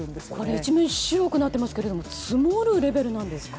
一面白くなってきていますけれども積もるレベルですか？